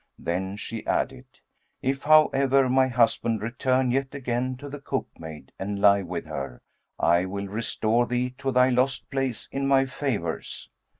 Then she added, 'If, however, my husband return yet again to the cookmaid and lie with her, I will restore thee to thy lost place in my favours.'